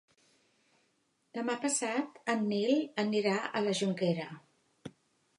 Demà passat en Nil anirà a la Jonquera.